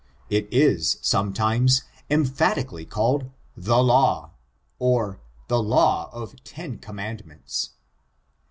It is, sometimes, emphati cally called, the Law^ or ''the law often commandments.